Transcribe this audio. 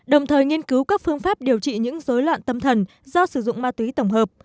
đồng thời nghiên cứu các phương pháp điều trị những dối loạn tâm thần do sử dụng ma túy tổng hợp